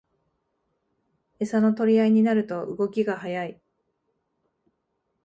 エサの取り合いになると動きが速い